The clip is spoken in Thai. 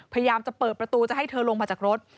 พยายามจะเปิดประตูจะให้เธอลงมาจากรถ